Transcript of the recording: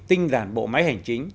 tinh giản bộ máy hành chính